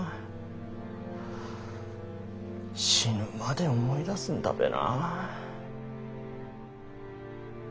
死ぬまで思い出すんだべな。